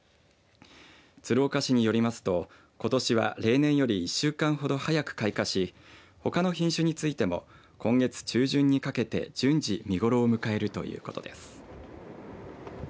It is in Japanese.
鶴岡市によりますと、ことしは例年より１週間ほど早く開花しほかの品種についても今月中旬にかけて順次見頃を迎えるということです。